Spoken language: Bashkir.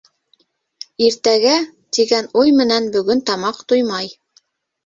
«Иртәгә» тигән уй менән бөгөн тамаҡ туймай.